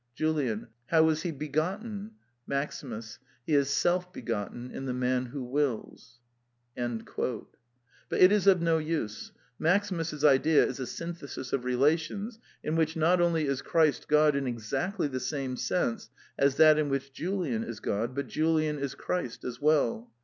JULIAN. How is he begotten? MAXIMUS. He is self begotten in the man who wills. But it is of no use. Maximus's idea is a syn thesis of relations in which not only is Christ God in exactly the same sense as that in which Julian is God, but Julian is Christ as well.